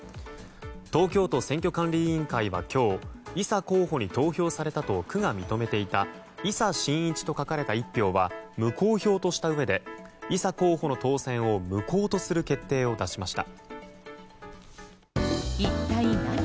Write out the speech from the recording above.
東京都選挙管理委員会は今日いさ候補に投票されたと区が認めていた「いさしんいち」と書かれた１票は無効票としたうえで井佐候補の当選を無効とする決定を出しました。